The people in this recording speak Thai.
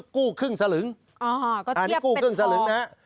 กู้ครึ่งสลึงอันนี้กู้ครึ่งสลึงนะฮะ